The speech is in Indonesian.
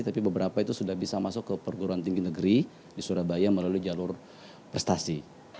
tapi beberapa itu sudah bisa masuk ke perguruan tinggi negeri di surabaya melalui jalur prestasi